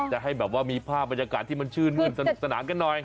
จะให้แบบว่ามีภาพบรรยากาศที่มันชื่นมื้นสนุกสนานกันหน่อย